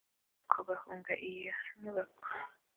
nuko bahunga iyo nyubako